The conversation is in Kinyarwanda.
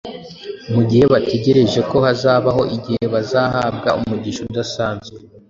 mu gihe bategereje ko hazabaho igihe bazahabwa umugisha udasanzwe